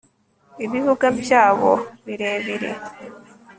ibibuga byabo birebire